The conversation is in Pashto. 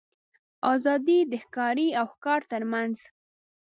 آزادي د ښکاري او ښکار تر منځ.